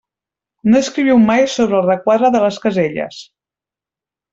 No escriviu mai sobre el requadre de les caselles.